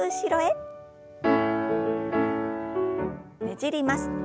ねじります。